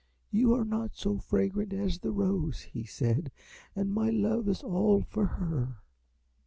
'You are not so fragrant as the Rose,' he said, 'and my love is all for her.'